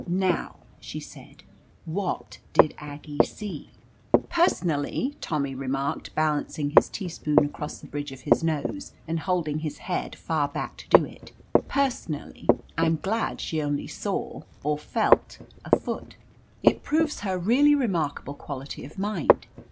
"Now," she said, "what did Aggie see?" "Personally," Tommy remarked, balancing his teaspoon across the bridge of his nose, and holding his head far back to do it, "personally, I'm glad she only saw— or felt — a foot. It proves her really remarkable quality of mind.